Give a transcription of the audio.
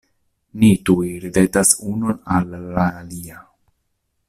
Ni tuj ridetas unu al la alia.